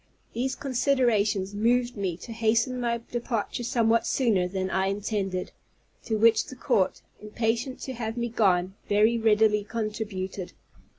These considerations moved me to hasten my departure somewhat sooner than I intended; to which the court, impatient to have me gone, very readily contributed.